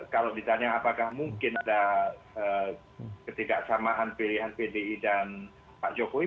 kalau ditanya apakah mungkin ada ketidaksamaan pilihan pdi dan pak jokowi